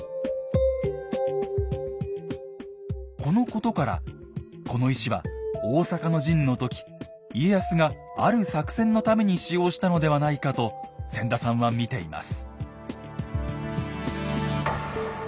このことからこの石は大坂の陣の時家康がある作戦のために使用したのではないかと千田さんは見ています。